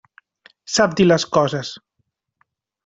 Sap dir les coses.